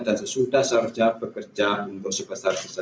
dan sesudah seharusnya bekerja untuk sebesar besar